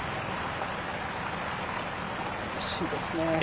惜しいですね。